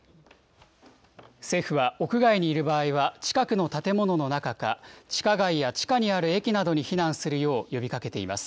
政府は屋外にいる場合は、近くの建物の中か、地下街や地下にある駅などに避難するよう呼びかけています。